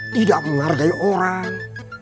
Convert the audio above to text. tidak menghargai orang